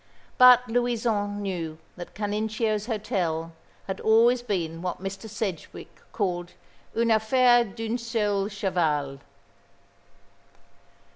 But Louison knew that Canincio's hotel had always been what Mr. Sedgewick called une affaire d'un seul cheval.